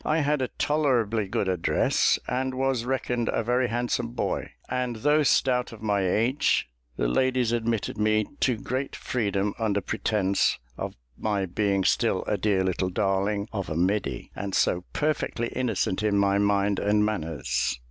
I had a tolerably good address, and was reckoned a very handsome boy; and though stout of my age, the ladies admitted me to great freedom under pretence of my being still a dear little darling of a middy, and so perfectly innocent in my mind and manners.